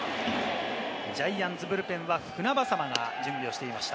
ジャイアンツブルペンは船迫が準備していました。